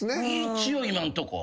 一応今んとこ。